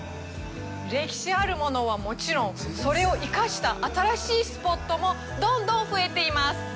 歴史あるものはもちろん、それを生かした新しいスポットもどんどん増えています。